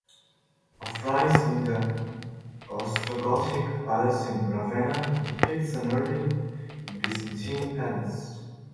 A frieze in the Ostrogothic palace in Ravenna depicts an early Byzantine palace.